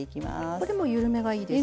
これも緩めがいいですか？